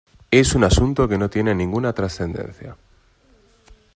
Es un asunto que no tiene ninguna trascendencia.